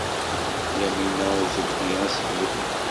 Yamina ur tebbi aseklu.